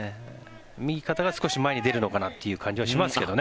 右肩が少し前に出るのかなという感じはしますけどね。